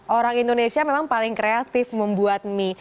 orang indonesia memang paling kreatif membuat mie